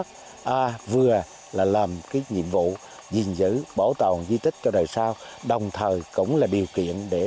h a vừa là làm cái nhiệm vụ giữ bảo tàng di tích cho đời sau đồng thời cũng là điều kiện